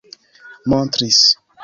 montris